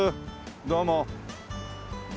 どうも。